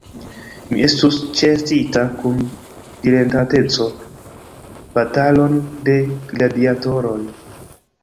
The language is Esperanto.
Mi estus ĉeestinta kun diletanteco batalon de gladiatoroj.